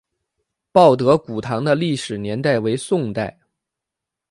报德古堂的历史年代为宋代。